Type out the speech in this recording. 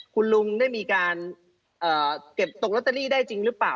คุณลุงได้มีการเก็บตกลอตเตอรี่ได้จริงหรือเปล่า